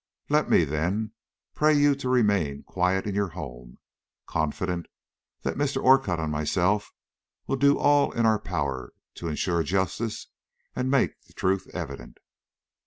Let me, then, pray you to remain quiet in your home, confident that Mr. Orcutt and myself will do all in our power to insure justice and make the truth evident."